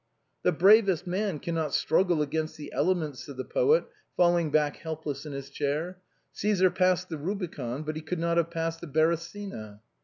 " The bravest man cannot struggle against the ele ments," said the poet, falling back helpless in his chair. " Caesar passed the Eubicon, but he could not have passed the Beresina.'